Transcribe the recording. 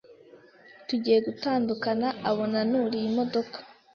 tugiye gutandukana abona nuriye imodoka